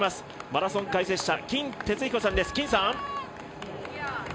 マラソン解説者金哲彦さんです。